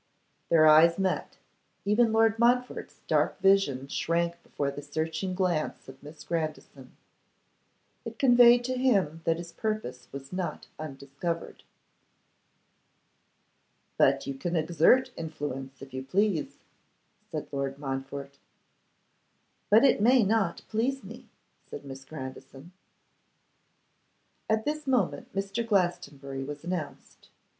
Their eyes met: even Lord Montfort's dark vision shrank before the searching glance of Miss Grandison. It conveyed to him that his purpose was not undiscovered. 'But you can exert influence, if you please,' said Lord Montfort. 'But it may not please me,' said Miss Grandison. At this moment Mr. Glastonbury was announced.